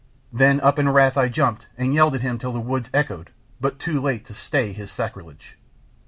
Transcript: Then up in wrath I jumped and yelled at him till the woods echoed, but too late to stay his sacrilege.